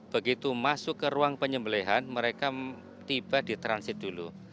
begitu masuk ke ruang penyembelihan mereka tiba di transit dulu